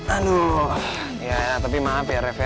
aduh ya tapi maaf ya rev